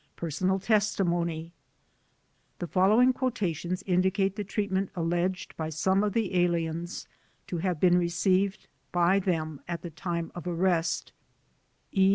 Personal Testimony The following quotations indicate the treatment al leged by some of the aliens to have been received by them at the time of arrest : E.